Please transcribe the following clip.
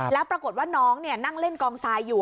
แล้วปรากฏว่าน้องนั่งเล่นกองทรายอยู่